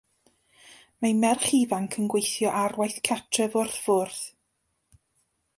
Mae merch ifanc yn gweithio ar waith cartref wrth fwrdd.